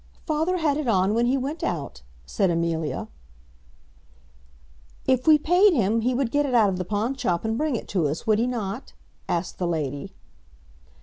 "Father had it on when he went out," said Amelia. "If we paid him he would get it out of the pawnshop, and bring it to us, would he not?" asked the lady.